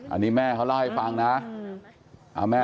อันนี้แม่เขาเล่าให้ฟังนะ